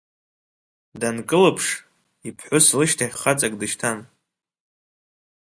Данкылԥш, иԥҳәыс лышьҭахь хаҵак дышьҭан.